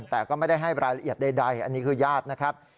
แต่ก็ไม่ได้ให้รายละเอียดใดอันนี้คือญาตินะครับ